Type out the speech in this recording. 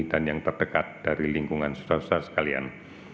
dan yang terdekat dari lingkungan sosial sekalian